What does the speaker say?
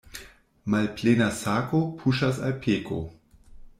Malplena sako puŝas al peko.